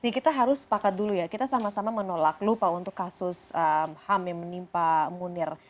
kita harus sepakat dulu ya kita sama sama menolak lupa untuk kasus ham yang menimpa munir